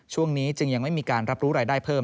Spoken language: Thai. ช่วงนี้จึงยังไม่มีการรับรู้รายได้เพิ่ม